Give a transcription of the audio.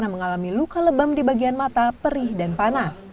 mengalami luka lebam di bagian mata perih dan panas